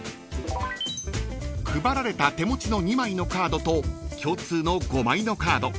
［配られた手持ちの２枚のカードと共通の５枚のカード］